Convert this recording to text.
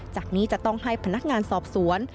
จากนี้จะต้องให้พนักงานสอบสวน